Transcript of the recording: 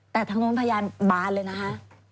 แต่ทางนู้นพยานบานเลยนะคะ